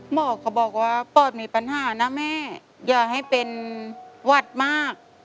หมอก็บอกว่าปอดมีปัญหานะแม่อย่าให้เป็นหวัดมาก